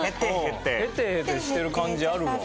ヘテヘテしてる感じあるもん。